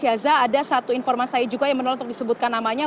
ada satu informan saya juga yang menolak untuk disebutkan namanya